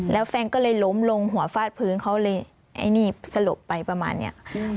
แล้วแฟนก็เลยล้มลงหัวฟาดพื้นเขาเลยไอ้นี่สลบไปประมาณเนี้ย